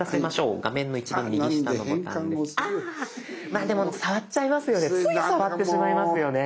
まあでも触っちゃいますよね。